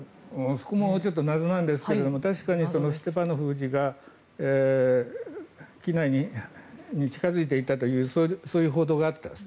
そこもちょっと謎なんですが確かにステパノフ氏が機内に近付いていたというそういう報道があったんです。